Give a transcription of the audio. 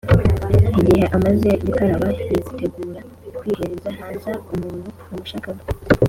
igihe amaze gukaraba yitegura kwihereza haze umuntuwamushakaga.